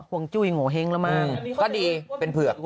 ก็ดีเป็นเผือก